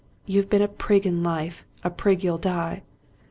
" You've been a prig in life ; a prig you'll die."